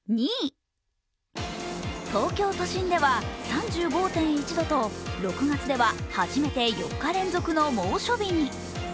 東京都心では３５．１度と６月では初めて４日連続の猛暑日に。